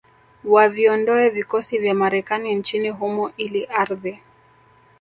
waviondoe vikosi vya Marekani nchini humo ili ardhi